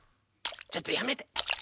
ちょっとやめてやめて！